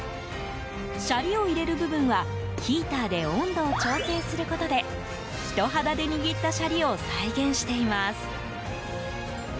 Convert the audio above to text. シャリを入れる部分はヒーターで温度を調整することで人肌で握ったシャリを再現しています。